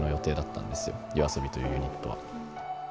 ＹＯＡＳＯＢＩというユニットは。